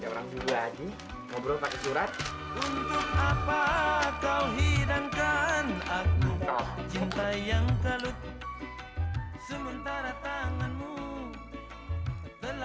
orang tuh kalau baca surat tuh